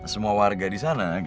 semua warga disana